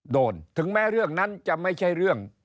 ถึงแม้เรื่องนั้นจะไม่ใช่เรื่อง